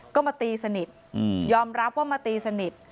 ก็มาตีสนิทยอมรับว่ามาตีสนิท